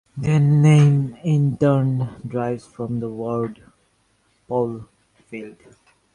Their name, in turn, derives from the word "pole" - field.